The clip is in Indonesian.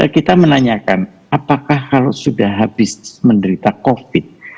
kita menanyakan apakah kalau sudah habis menderita covid